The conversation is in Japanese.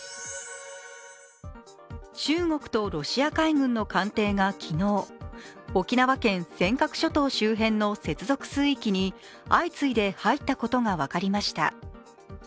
中国とロシア海軍の艦艇が昨日、沖縄県尖閣諸島周辺の接続水域に相次いで入ったことが分かりました。